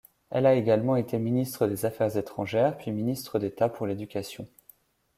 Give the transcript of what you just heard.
Elle a également été ministre des affaires étrangères puis ministre d’État pour l'éducation.